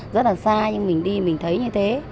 rất là xa nhưng mình đi mình thấy như thế